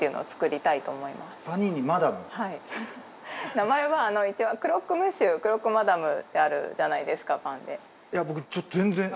名前は一応クロックムッシュクロックマダムってあるじゃないですかパンで。